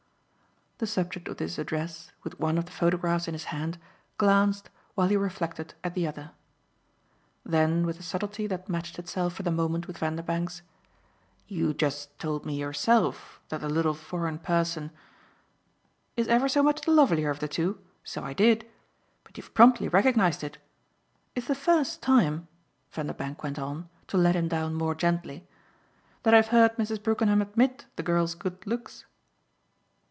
The subject of this address, with one of the photographs in his hand, glanced, while he reflected, at the other. Then with a subtlety that matched itself for the moment with Vanderbank's: "You just told me yourself that the little foreign person " "Is ever so much the lovelier of the two? So I did. But you've promptly recognised it. It's the first time," Vanderbank went on, to let him down more gently, "that I've heard Mrs. Brookenham admit the girl's good looks."